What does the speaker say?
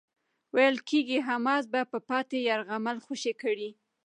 ویل کېږی حماس به پاتې يرغمل خوشي کړي.